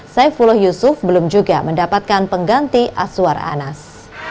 saifuloh yusuf belum juga mendapatkan pengganti azwar anas